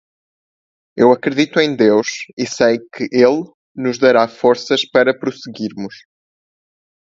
Eu acredito em Deus e sei que Ele nos dará forças para prosseguirmos.